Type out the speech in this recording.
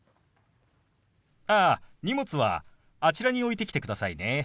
ああ荷物はあちらに置いてきてくださいね。